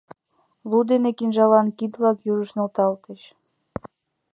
Лу дене кинжалан кид-влак южыш нӧлталтыч.